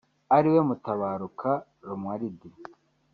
ariwe Mutabaruka Romuald